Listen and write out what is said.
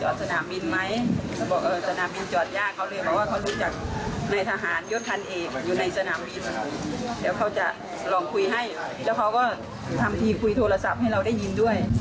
เดี๋ยวเขาจะลองคุยให้แล้วเขาก็ทำทีคุยโทรศัพท์ให้เราได้ยินด้วย